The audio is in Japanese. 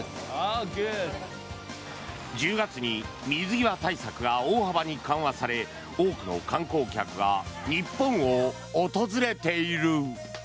１０月に水際対策が大幅に緩和され多くの観光客が日本を訪れている。